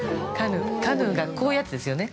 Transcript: カヌーが、こういうやつですよね。